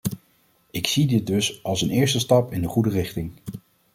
Ik zie dit dus als een eerste stap in de goede richting.